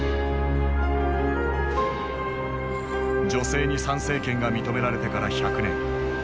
女性に参政権が認められてから百年。